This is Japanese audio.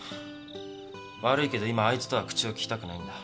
悪いけど今あいつとは口を利きたくないんだ。